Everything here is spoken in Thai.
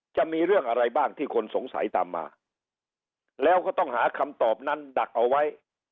จะมีเรื่องอะไรบ้างที่คนสงสัยตามมาแล้วก็ต้องหาคำตอบนั้นดักเอาไว้